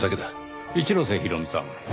一ノ瀬弘美さん